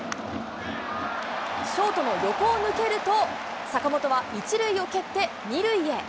ショートの横を抜けると、坂本は１塁を蹴って２塁へ。